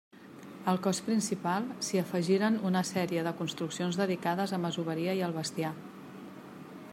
Al cos principal s'hi afegiren una sèrie de construccions dedicades a masoveria i al bestiar.